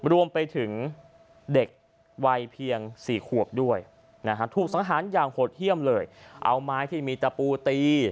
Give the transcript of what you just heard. รวมไปถึงเด็กวัยเพียง๔ขวบด้วยนะฮะถูกสังหารอย่างโหดเยี่ยมเลยเอาไม้ที่มีตะปูตี